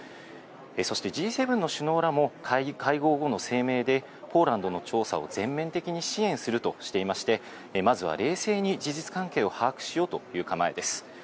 そしてＧ７の首脳らも会合後の声明で、ポーランドの調査を全面的に支援するとしていまして、まずは冷静に事実関係を把握しようという構えです。